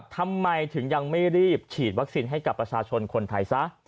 ทำไมถึงยังไม่รีบฉีดวัคซีนให้กับประชาชนคนไทยซะ